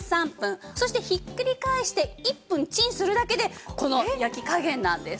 そしてひっくり返して１分チンするだけでこの焼き加減なんです。